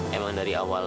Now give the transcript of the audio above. emang dari awal